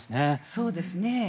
そうですね。